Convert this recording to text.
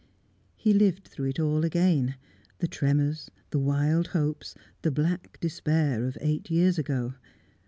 He lived through it all again, the tremors, the wild hopes, the black despair of eight years ago.